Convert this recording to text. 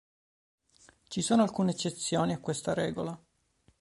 Ci sono alcune eccezioni a questa regola.